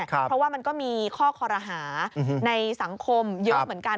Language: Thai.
เพราะว่ามันก็มีข้อคอรหาในสังคมเยอะเหมือนกัน